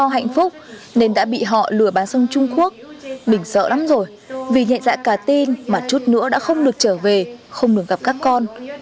do hạnh phúc nên đã bị họ lừa bán sang trung quốc mình sợ lắm rồi vì nhẹ dạ cả tin mà chút nữa đã không được trở về không được gặp các con